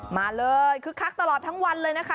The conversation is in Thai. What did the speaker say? มาเลยคึกคักตลอดทั้งวันเลยนะคะ